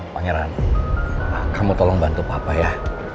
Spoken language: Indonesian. pangeran kamu tolong bantu papa ya